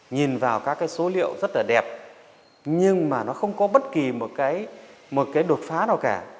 nhìn vào các cái số liệu rất là đẹp nhưng mà nó không có bất kỳ một cái đột phá nào cả